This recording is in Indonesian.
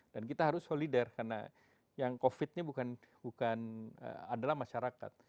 dan kita harus solidar karena yang covid ini bukan adalah masyarakat